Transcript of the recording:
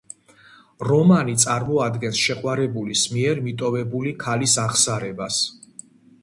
რომანი წარმოადგენს შეყვარებულის მიერ მიტოვებული ქალის აღსარებას.